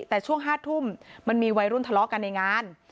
แต่ช่วง๕ทุ่มมันมีวัยรุ่นทะเลาะกันในงาน